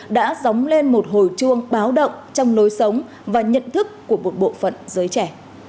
đã dóng lên một hồi chuông báo động trong lối sống và nhận thức của một bộ phận giới trẻ